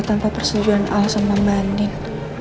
tanpa persetujuan alasan membanding